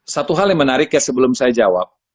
satu hal yang menarik ya sebelum saya jawab